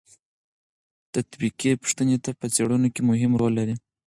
تطبیقي پوښتنې په څېړنو کې مهم رول لري.